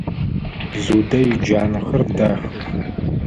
Людэ иджанэхэр дахэх.